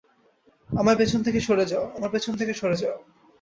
আমার পিছন থেকে সরে যাও!